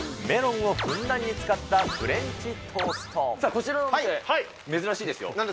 メロンをふんだんに使ったフレンチトーこちらのお店、珍しいですよ。